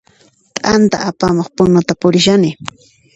T'anta apamuq punuta purishani